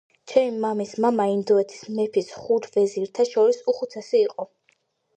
ჩემი მამის მამა ინდოეთის მეფის ხუთ ვეზირთა შორის უხუცესი იყო.